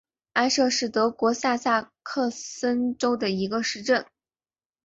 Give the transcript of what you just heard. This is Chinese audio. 埃舍是德国下萨克森州的一个市镇。